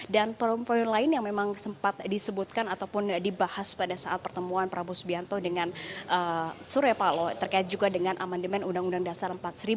dan poin poin lain yang memang sempat disebutkan ataupun dibahas pada saat pertemuan prabu subianto dengan suraya palo terkait juga dengan amandemen undang undang dasar empat sembilan ratus empat puluh lima